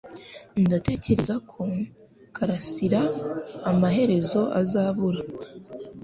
Ndatekereza ko Karasira amaherezo azabura